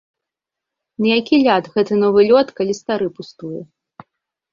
На які ляд гэты новы лёд, калі стары пустуе?